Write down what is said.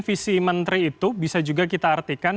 visi menteri itu bisa juga kita artikan